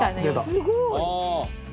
すごい！